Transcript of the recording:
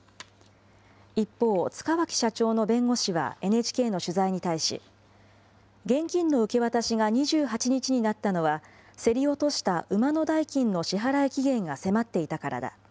一方、塚脇社長の弁護士はＮＨＫの取材に対し、現金の受け渡しが２８日になったのは、競り落とした馬の代金の支払い期限が迫っていたからだ。